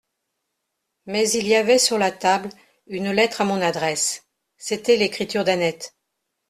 Mais il y avait sur la table une lettre à mon adresse ; c'était l'écriture d'Annette.